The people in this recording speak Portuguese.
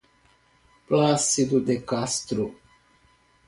Plácido de Castro